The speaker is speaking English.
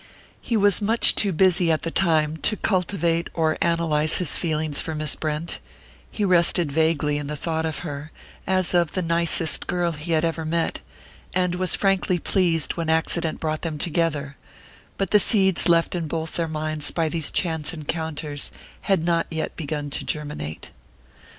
He was much too busy at the time to cultivate or analyze his feeling for Miss Brent; he rested vaguely in the thought of her, as of the "nicest" girl he had ever met, and was frankly pleased when accident brought them together; but the seeds left in both their minds by these chance encounters had not yet begun to germinate.